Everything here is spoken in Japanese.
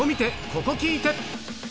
ここ聴いて！